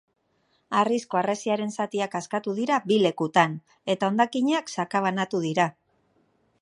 Harrizko harresiaren zatiak askatu dira bi lekutan, eta hondakinak sakabanatu dira.